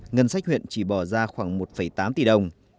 ngân sách huyện chỉ bỏ ra khoảng một tám tỷ đồng